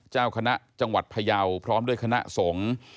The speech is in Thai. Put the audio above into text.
เจ้าคณะจังหวัดพยาวพร้อมด้วยคณะสงฆ์